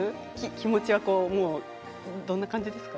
気持ちはどんな感じですか？